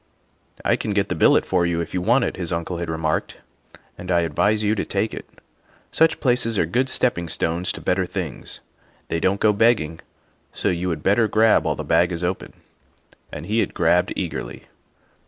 " I can get the billet for you if you want it," his uncle had remarked, '' and I advise you to take it. Such places are good stepping stones to better things; they don 't go begging, so you would better grab while the bag is open." And he had grabbed eagerly.